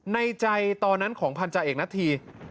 ในใจตอนนั้นของพันธาเอกณฑี